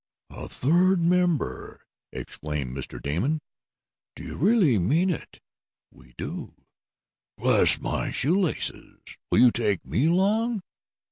"A third member!" exclaimed Mr. Damon. "Do you really mean it?" "We do." "Bless my shoe laces! Will you take me along?"